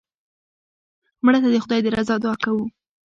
مړه ته د خدای د رضا دعا کوو